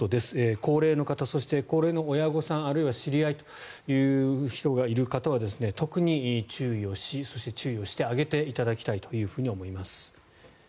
高齢の方、そして高齢の親御さんあるいは知り合いという人がいる方は特に注意をしそして注意をしてあげていただきたいと思います。